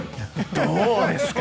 どうですか？